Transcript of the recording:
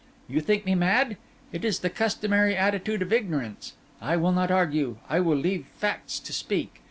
You think me mad? It is the customary attitude of ignorance. I will not argue; I will leave facts to speak.